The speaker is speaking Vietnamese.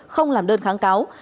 không làm đơn kháng cáo